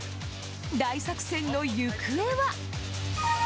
大作戦の行方は。